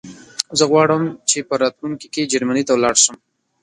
زه غواړم چې په راتلونکي کې جرمنی ته لاړ شم